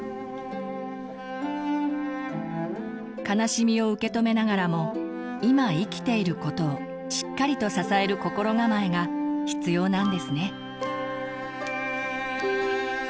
悲しみを受け止めながらも今生きていることをしっかりと支える心構えが必要なんですね。